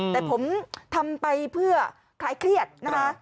แต่ผมทำไปเพื่อคล้ายเครียดนะคะ